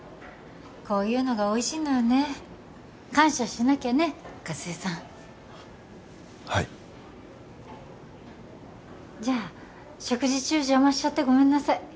こういうのがおいしいのよね感謝しなきゃね加瀬さんはいじゃあ食事中邪魔しちゃってごめんなさい